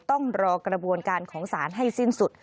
ต้องรอกระบวนการของศาลให้สิ้นสุด